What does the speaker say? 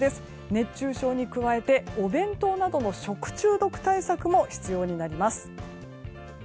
熱中症に加えてお弁当などの食中毒対策も必要になります。